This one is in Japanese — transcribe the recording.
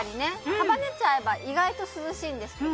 束ねちゃえば意外と涼しいんですけど。